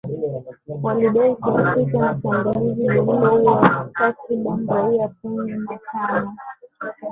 Walidai kuhusika na shambulizi lililoua takribani raia kumi na tano